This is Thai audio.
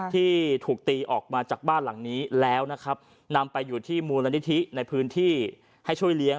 ที่ถูกตีออกมาจากบ้านหลังนี้แล้วนะครับนำไปอยู่ที่มูลนิธิในพื้นที่ให้ช่วยเลี้ยง